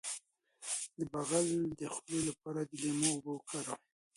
د بغل د خولې لپاره د لیمو اوبه وکاروئ